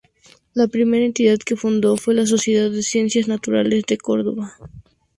La primera entidad que fundó fue la Sociedad de Ciencias Naturales de Córdoba.